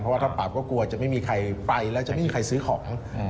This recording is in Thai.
เพราะว่าถ้าปรับก็กลัวจะไม่มีใครไปแล้วจะไม่มีใครซื้อของ